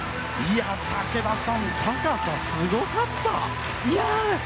武田さん、高さすごかった！